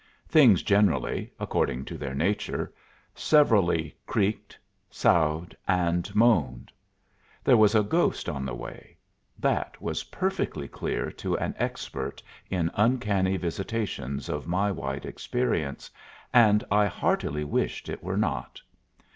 Things generally, according to their nature, severally creaked, soughed and moaned. There was a ghost on the way. That was perfectly clear to an expert in uncanny visitations of my wide experience, and I heartily wished it were not.